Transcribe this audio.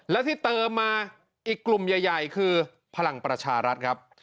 และที่เติมมาอีกกลุ่มใหญ่คือพลังประชารัฐครับ